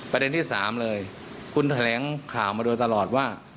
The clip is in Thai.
ประเด็นที่๓เลยคุณแถลงข่าวมาโดยตลอดว่า